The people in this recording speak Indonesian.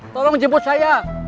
tolong jemput saya